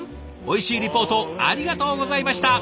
おいしいリポートありがとうございました。